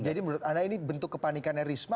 jadi menurut anda ini bentuk kepanikannya risma